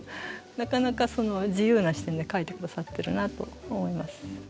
なかなか自由な視点で描いてくださってるなと思います。